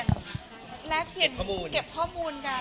และเปลี่ยนเก็บข้อมูลกัน